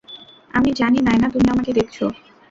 আমি জানি নায়না তুমি আমাকে দেখছো।